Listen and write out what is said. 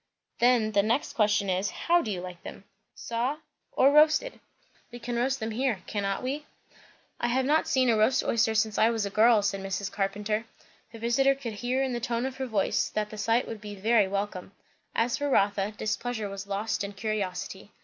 "Then the next question is, how do you like them? Saw? or roasted? We can roast them here, cannot we?" "I have not seen a roast oyster since I was a girl," said Mrs. Carpenter. Her visiter could hear in the tone of her voice that the sight would be very welcome. As for Rotha, displeasure was lost in curiosity.